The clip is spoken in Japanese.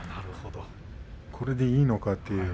これでいいのかと。